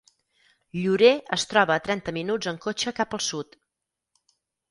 Llorer es troba a trenta minuts en cotxe cap al sud.